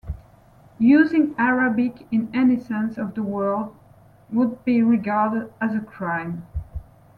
Using Arabic in any sense of the word would be regarded as a crime.